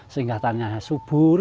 sehingga tanahnya subur